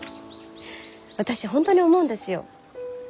私本当に思うんですよ。